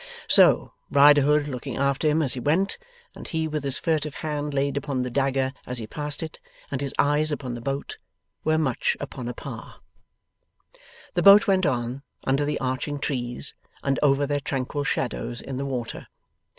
So, Riderhood looking after him as he went, and he with his furtive hand laid upon the dagger as he passed it, and his eyes upon the boat, were much upon a par. The boat went on, under the arching trees, and over their tranquil shadows in the water.